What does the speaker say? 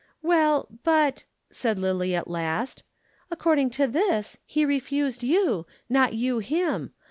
"Well, but," said Lillie at last, "according to this he refused you, not you him.